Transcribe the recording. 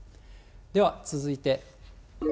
では続いて。